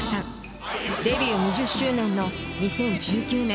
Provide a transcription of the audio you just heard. デビュー２０周年の２０１９年